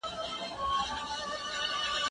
زه پرون سبا ته فکر وکړ!!